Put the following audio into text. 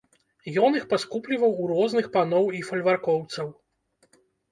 Ён іх паскупліваў у розных паноў і фальваркоўцаў.